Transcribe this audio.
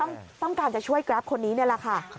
เออก็ต้องการจะช่วยกราฟต์คนนี้นี่แหละค่ะ